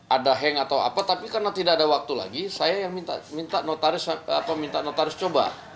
ada hang atau apa tapi karena tidak ada waktu lagi saya yang minta notaris coba